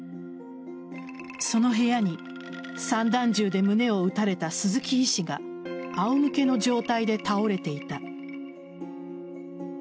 その部屋に散弾銃で胸を撃たれた鈴木医師があお向けの状態で倒れていた。